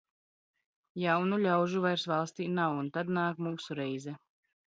Jaunu ļaužu vairs valstī nav, un tad nāk mūsu reize.